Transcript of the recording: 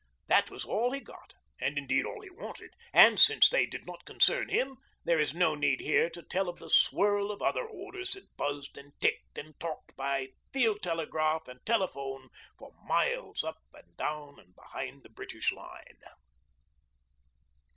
That was all he got, and indeed all he wanted; and, since they did not concern him, there is no need here to tell of the swirl of other orders that buzzed and ticked and talked by field telegraph and telephone for miles up and down and behind the British line.